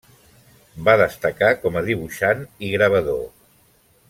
Va destacar com a dibuixant i gravador.